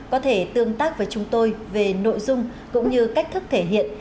có thể tương tác với chúng tôi về nội dung cũng như cách thức thể hiện